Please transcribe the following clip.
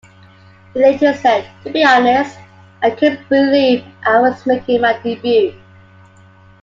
He later said, To be honest, I couldn't believe I was making my debut.